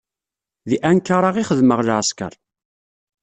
Di Ankara i d-xedmeɣ lɛesker.